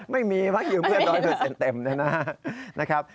ไม่มีพักยืมเพื่อนร้อยเปอร์เซ็นต์เต็มด้วยนะครับ